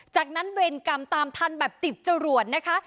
จากนั้นเวรกรรมตามทันแบบจิบจรวดนะคะ